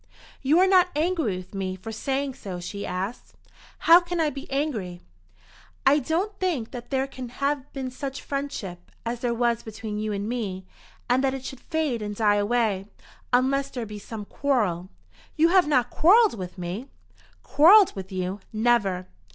"You are not angry with me for saying so?" she asked. "How can I be angry?" "I don't think that there can have been such friendship, as there was between you and me, and that it should fade and die away, unless there be some quarrel. You have not quarrelled with me?" "Quarrelled with you? Never!"